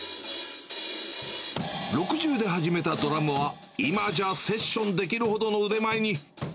６０で始めたドラムは今じゃ、セッションできるほどの腕前に。